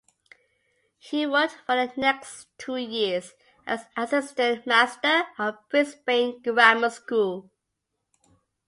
He worked for the next two years as assistant master at Brisbane Grammar School.